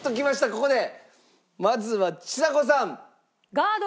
ここでまずはちさ子さん！